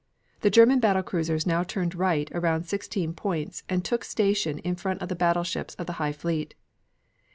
The German battle cruisers now turned right around 16 points and took station in front of the battleships of the High Fleet.